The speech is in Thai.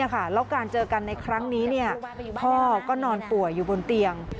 แล้วการเจอกันในครั้งนี้พ่อก็นอนป่วยอยู่บนเตียง